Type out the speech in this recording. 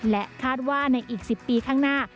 และคาดว่าในอีก๑๐ปีข้างหน้า